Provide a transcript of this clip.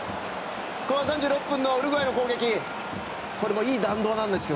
後半３６分のウルグアイの攻撃です。